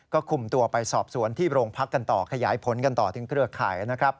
ก็คุมตัวไปสอบสวนที่โรงพักกันต่อขยายผลกันต่อถึงเครือข่ายนะครับ